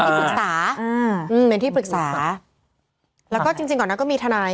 ที่ปรึกษาอ่าอืมเป็นที่ปรึกษาแล้วก็จริงจริงก่อนนั้นก็มีทนาย